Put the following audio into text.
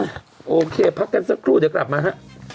โอเคพักกันสักครู่เดี๋ยวกลับมาฮะ